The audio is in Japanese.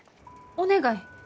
お願い。